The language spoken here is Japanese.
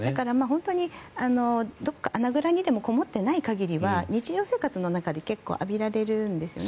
本当に穴倉にでもこもってない限りは日常生活の中でも結構浴びられるんですね。